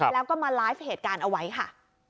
แล้วก็มาไลฟ์เหตุการณ์เอาไว้ค่ะ